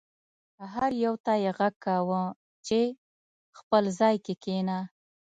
هر یو ته یې غږ کاوه چې خپل ځای کې کښېنه.